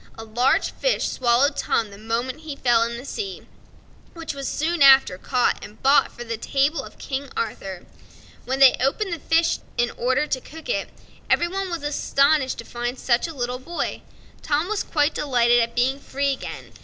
A large fish swallowed Tom the moment he fell into the sea, which was soon after caught and bought for the table of King Arthur. When they opened the fish in order to cook it, every one was astonished at finding such a little boy, and Tom was quite delighted at being free again.